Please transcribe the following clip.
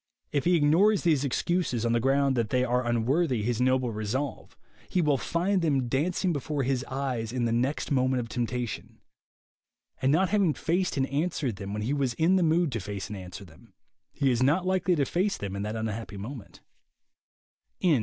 If he ignores these excuses, on the ground that they are unworthy his noble resolve, he will find them dancing before his eyes in the next moment of temptation; and not having faced and answered them when he was in the mood to face and answer them, he is not likely to face them in that unhappy moment.